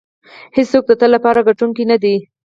هېڅوک د تل لپاره ګټونکی نه دی.